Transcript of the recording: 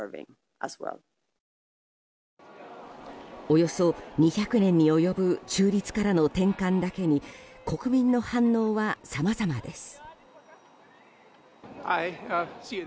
およそ２００年に及ぶ中立からの転換だけに国民の反応はさまざまです。